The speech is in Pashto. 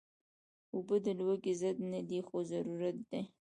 اوبه د لوږې ضد نه دي، خو ضرورت دي